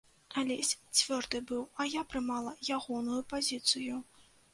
Алесь цвёрды быў, а я прымала ягоную пазіцыю.